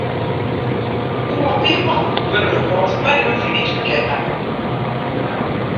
Oer in pear moannen wurdt it rapport mei de befinings bekend makke.